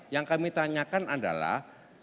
yang kami tanyakan adalah